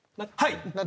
はい。